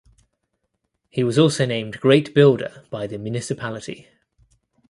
He was also named "Great builder" by the municipality.